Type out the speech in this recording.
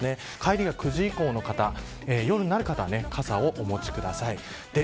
帰りが９時以降の方夜になる方は傘をお持ちください。